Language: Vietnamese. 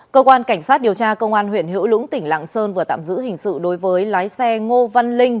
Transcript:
cơ quan cảnh sát điều tra công an huyện hữu lũng tỉnh lạng sơn vừa tạm giữ hình sự đối với lái xe ngô văn linh